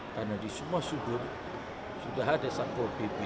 karena di semua sudut sudah ada satpol pp di wilayah itu